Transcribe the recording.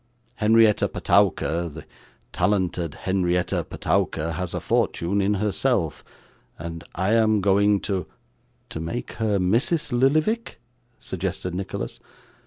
Henrietta Petowker, the talented Henrietta Petowker has a fortune in herself, and I am going to ' 'To make her Mrs. Lillyvick?' suggested Nicholas.